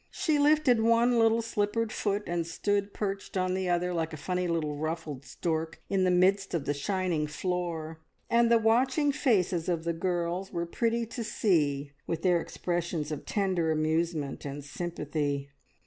She lifted one little slippered foot and stood perched on the other like a funny little ruffled stork in the midst of the shining floor, and the watching faces of the girls were pretty to see with their expressions of tender amusement and sympathy.